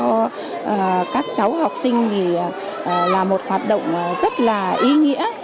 cho các cháu học sinh thì là một hoạt động rất là ý nghĩa